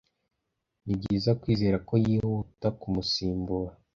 nibyiza kwizera ko yihuta kumusimbura